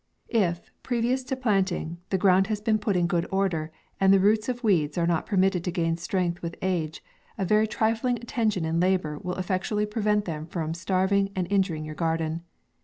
If, previous to planting, the ground has been put in good order, and the roots of weeds are not permitted to gain strength with age, a very trifling attention and labour will ef fectually prevent them from starving and in juring your garden.